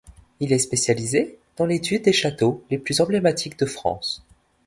Il est spécialisé dans l'étude des châteaux les plus emblématiques de France.